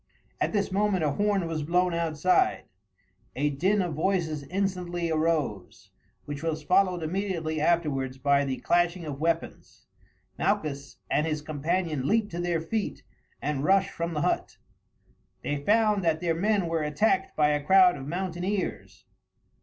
At this moment a horn was blown outside. A din of voices instantly arose, which was followed immediately afterwards by the clashing of weapons. Malchus and his companion leaped to their feet and rushed from the hut. They found that their men were attacked by a crowd of mountaineers.